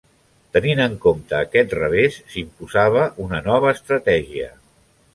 Tenint en compte aquest revés s'imposava una nova estratègia.